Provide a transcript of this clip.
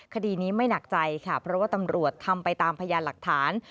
คดีนี้ไม่หนักใจค่ะเพราะว่าตำรวจทำไปตามพยานหลักฐาน